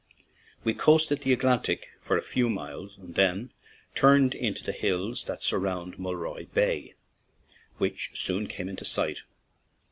We coasted the Atlantic for a few miles, and then turned into the hills that sur round Mulroy Bay, which soon came into sight.